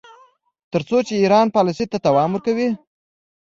تر څو چې ایران پالیسۍ ته دوام ورکوي.